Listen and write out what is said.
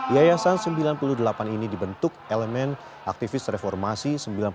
yayasan sembilan puluh delapan ini dibentuk elemen aktivis reformasi sembilan puluh delapan